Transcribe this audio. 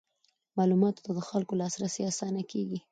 معلوماتو ته د خلکو لاسرسی اسانه کیږي.